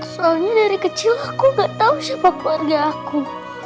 soalnya dari kecil aku gak tahu siapa keluarga aku